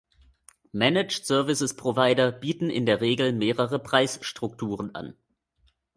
Managed Services Provider bieten in der Regel mehrere Preis-Strukturen an.